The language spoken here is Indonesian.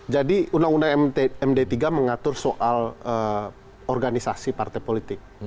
jadi undang undang md tiga mengatur soal organisasi partai politik